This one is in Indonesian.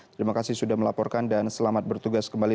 terima kasih sudah melaporkan dan selamat bertugas kembali